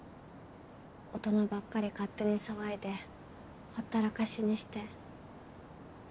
大人ばっかり勝手に騒いでほったらかしにして。